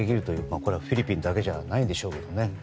これは、フィリピンだけじゃないんでしょうけどね。